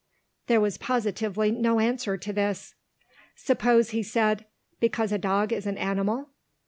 There was positively no answer to this. Suppose he said, Because a dog is an animal?